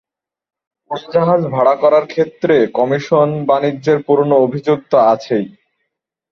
উড়োজাহাজ ভাড়া করার ক্ষেত্রে কমিশন বাণিজ্যের পুরোনো অভিযোগ তো আছেই।